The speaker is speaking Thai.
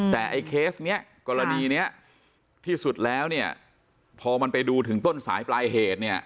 แต่ไอ้เคสเนี้ยกรณีเนี้ยที่สุดแล้วเนี่ยพอมันไปดูถึงต้นสายปลายเหตุเนี่ย